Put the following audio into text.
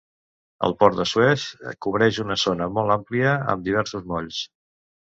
El port de Suez cobreix una zona molt àmplia amb diversos molls.